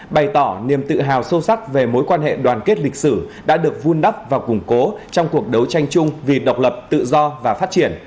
bày tỏ niềm tự hào sâu sắc về mối quan hệ đoàn kết lịch sử đã được vun đắp và củng cố trong cuộc đấu tranh chung vì độc lập tự do và phát triển